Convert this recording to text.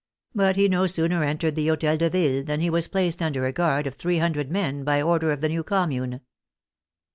But he no sooner entered the Hotel de Ville than he was placed under a guard of three hundred men by order of the new Commune.